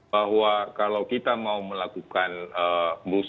bahwa kalau kita mau melakukan vaksinasi kita harus melakukan vaksinasi